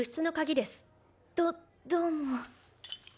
どどうも。